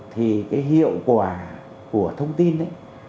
thì cái hiệu quả của thông tin